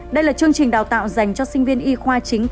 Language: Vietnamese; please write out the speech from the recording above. đây là chương trình đào tạo dành cho sinh viên y khoa chính